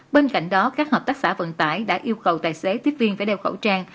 bên cạnh đó các hợp tác xã vận tải đã yêu cầu tài xế tiếp viên phải đeo khẩu trang